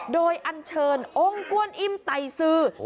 โดยอันเชิญองค์กวนอิ่มไตซือ